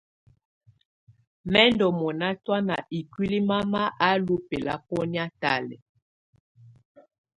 Mɛ̀ ndù mɔna tɔ̀ána ikuili mama á lú bɛlabɔnɛ̀á talɛ̀á.